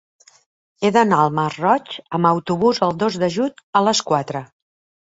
He d'anar al Masroig amb autobús el dos de juny a les quatre.